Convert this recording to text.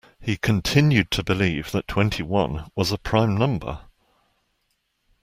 He continued to believe that twenty-one was a prime number